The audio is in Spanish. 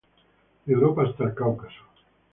De Europa hasta el Cáucaso.